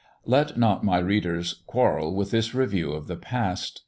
Let not my readers quarrel with this review of the past.